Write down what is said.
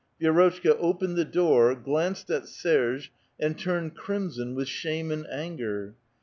Vi^rotchka opened the door, glanced at Serge, and turned crimson with shame and anger.